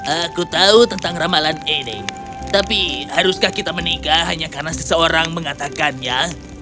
aku tahu tentang ramalan ini tapi haruskah kita menikah hanya karena seseorang mengatakannya